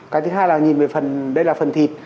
cái thứ hai là nhìn về phần đây là phần thịt